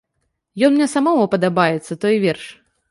Ён мне самому падабаецца, той верш.